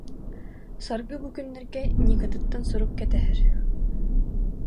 Саргы бу күннэргэ Никатыттан сурук кэтэһэр